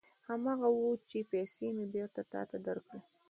هماغه و چې پېسې مې بېرته تا ته درکړې.